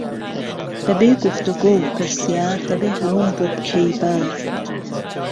به بێ گفتوگۆ و پرسیار دهبێ ههمووم بۆ پکهی بار